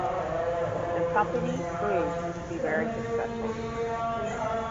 The company proved to be very successful.